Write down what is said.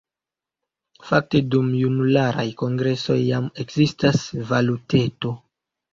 Fakte dum junularaj kongresoj jam ekzistas “valuteto”.